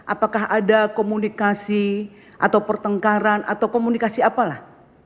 apakah ada komunikasi atau pertengkaran atau komunikasi apalah